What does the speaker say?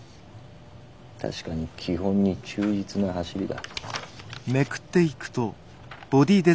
確かに基本に忠実な走りだ。